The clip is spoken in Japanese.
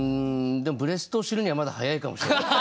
でもブレストを知るにはまだ早いかもしれない。